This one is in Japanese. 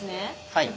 はい。